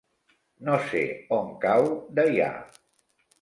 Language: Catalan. No sé on cau Deià.